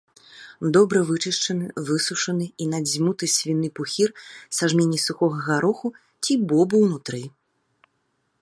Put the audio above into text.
Добра вычышчаны, высушаны і надзьмуты свіны пухір са жменяй сухога гароху ці бобу ўнутры.